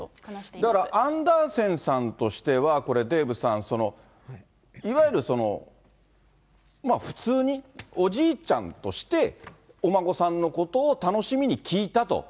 だからアンダーセンさんとしては、これデーブさん、いわゆるその、普通におじいちゃんとして、お孫さんのことを楽しみに聞いたと。